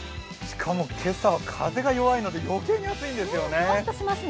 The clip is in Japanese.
しかも今朝、風が弱いので余計に暑いんですよね。